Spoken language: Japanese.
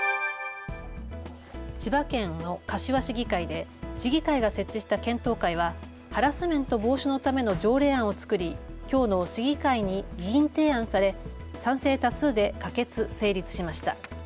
千葉県の柏市議会で市議会が設置した検討会はハラスメント防止のための条例案を作りきょうの市議会に議員提案され賛成多数で可決・成立しました。